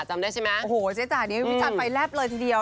จำได้ใช่ไหมโอ้โหเจ๊จ๋านี้วิจารณ์ไฟแลบเลยทีเดียว